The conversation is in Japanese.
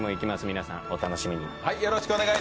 皆さん、お楽しみに。